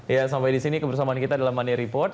ya sampai di sini kebersamaan kita dalam money report